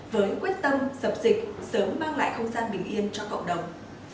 với quyết tâm dập dịch sớm mang lại không gian bình yên cho cộng đồng